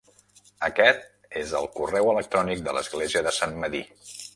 Aquest és el correu electrònic de l'església de Sant Medir.